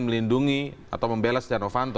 melindungi atau membela setia novanto